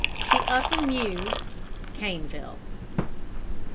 THE UPPER MEWS, CANEVILLE.